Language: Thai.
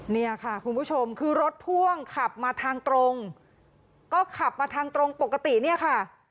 เนี่ยค่ะคุณผู้ชมคือรถพ่วงขับมาทางตรงก็ขับมาทางตรงปกติเนี่ยค่ะ